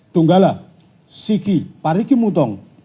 tunggalah sigi parikimutong